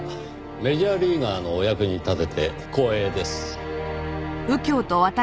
メジャーリーガーのお役に立てて光栄です。